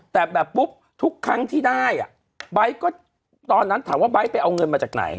แต่แบบปุ๊บทุกครั้งที่ได้อ่ะไบท์ก็ตอนนั้นถามว่าไบท์ไปเอาเงินมาจากไหน